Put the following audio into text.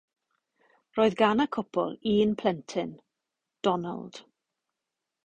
Roedd gan y cwpl un plentyn, Donald.